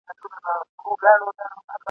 زه د لمر په کجاوه کي د سپوږمۍ تر کلي ولاړم !.